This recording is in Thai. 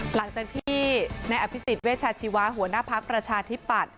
หลังจากที่ในอภิษฎเวชาชีวะหัวหน้าพักประชาธิปัตย